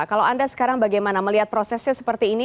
kalau anda sekarang bagaimana melihat prosesnya seperti ini